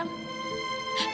kamila masih mau hidup sepenuhnya